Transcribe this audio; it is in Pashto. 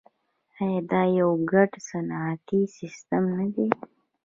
آیا دا یو ګډ صنعتي سیستم نه دی؟